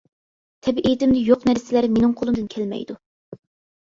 تەبىئىتىمدە يوق نەرسىلەر مېنىڭ قولۇمدىن كەلمەيدۇ.